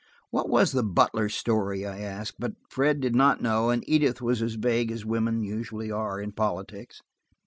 "What was the Butler story?" I asked. But Fred did not know, and Edith was as vague as women usually are in politics.